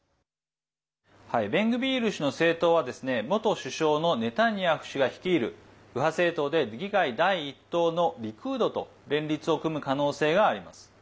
ベングビール氏の政党は元首相のネタニヤフ氏が率いる右派政党で議会第１党のリクードと連立を組む可能性があります。